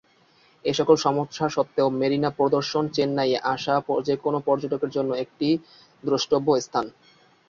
এসকল সমস্যা সত্ত্বেও মেরিনা পরিদর্শন চেন্নাইয়ে আসা যেকোনও পর্যটকের জন্য একটি অবশ্য দ্রষ্টব্য স্থান।